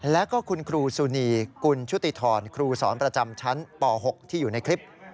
แล้วก็คุณครูสุนีกุลชุติธรครูสอนประจำชั้นป๖ที่อยู่ในคลิป